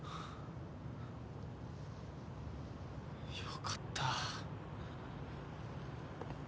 よかった。